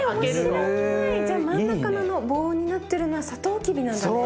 じゃあ真ん中のあの棒になってるのはサトウキビなんだね。